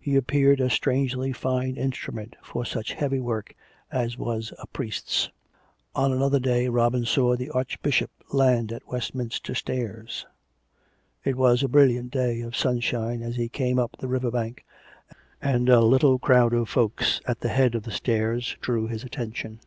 He appeared a strangely fine instrument for such heavy work as was a priest's. On another day Robin saw the Archbishop land at West minster Stairs. 278 COME RACK! COME ROPE! It was a brilliant day of sunshine as he came up the river bank, and a little crowd of folks at the head of the stairs drew his attention.